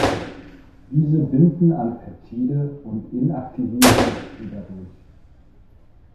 Diese binden an Peptide und inaktivieren sie dadurch.